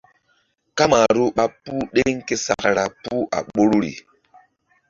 Kamaru ɓa puh ɗeŋ ke sakra puh a ɓoruri.